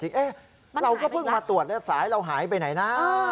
เราก็เพิ่งมาตรวจแล้วสายเราหายไปไหนนะ